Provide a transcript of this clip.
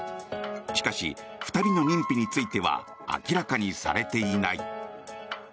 しかし２人の認否については明らかにされていない。